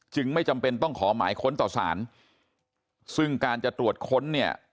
ไม่จำเป็นต้องขอหมายค้นต่อสารซึ่งการจะตรวจค้นเนี่ย